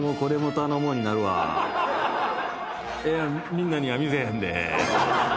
みんなには見せへんでぇ。